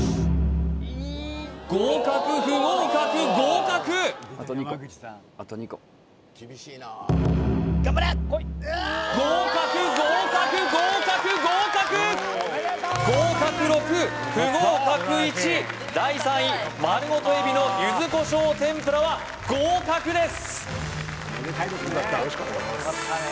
合格不合格合格合格合格合格合格第３位まるごと海老の柚子こしょう天ぷらは合格です！